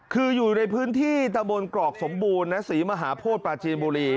คืออยู่ในพื้นที่ตะบนกรอกสมบูรณ์นะศรีมหาโพธิปราจีนบุรี